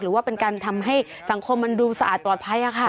หรือว่าเป็นการทำให้สังคมมันดูสะอาดปลอดภัย